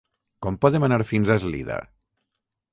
Com podem anar fins a Eslida?